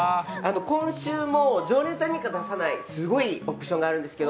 今週も常連さんにしか出さないすごいオプションがあるんですけど。